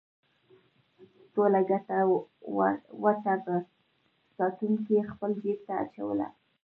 ټوله ګټه وټه به ساتونکو خپل جېب ته اچوله.